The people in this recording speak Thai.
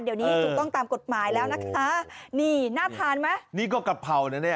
เดี๋ยวนี้ถูกต้องตามกฎหมายแล้วนะคะนี่น่าทานไหมนี่ก็กะเพรานะเนี่ย